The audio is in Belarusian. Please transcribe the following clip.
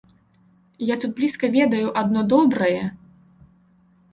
Я тут блізка ведаю адно добрае.